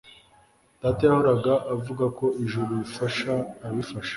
data yahoraga avuga ko ijuru rifasha abifasha